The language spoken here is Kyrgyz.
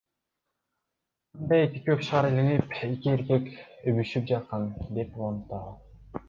Анда эки көк шар илинип, эки эркек өбүшүп жаткан, — деп улантты ал.